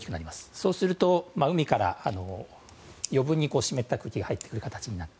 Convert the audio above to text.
そうすると、海から余分に湿った空気が入ってくる形になって。